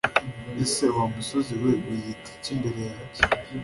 ese wamusozi we wiyita iki imbere yanjye